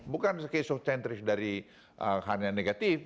bukan secase of centris dari hal yang negatif